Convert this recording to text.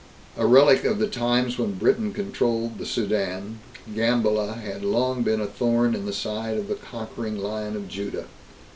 A relic of the times when Britain controlled the Sudan, Gambela had long been a thorn in the side of the Conquering Lion of Judah.